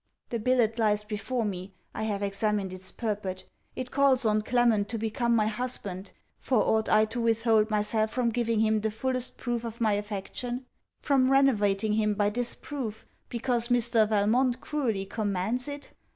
The billet lies before me, I have examined its purport. It calls on Clement to become my husband. For ought I to withhold myself from giving him the fullest proof of my affection, from renovating him by this proof, because Mr. Valmont cruelly commands it?